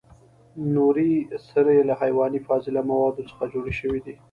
نورې سرې له حیواني فاضله موادو څخه جوړ شوي دي.